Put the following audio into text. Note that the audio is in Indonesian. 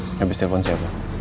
habis telpon siapa